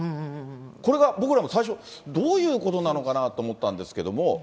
これが僕らも最初、どういうことなのかなと思ったんですけども。